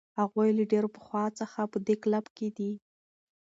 هغوی له ډېر پخوا څخه په دې کلب کې دي.